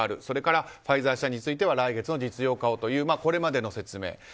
それからファイザー社については来月までの実用化をというこれまでの説明。